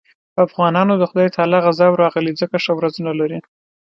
په افغانانو د خدای تعالی غضب راغلی ځکه ښه ورځ نه لري.